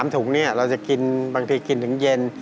ถุงเราจะกินบางทีกินถึงเย็น